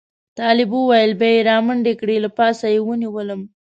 طالب وویل بیا یې را منډې کړې له پایڅې یې ونیولم.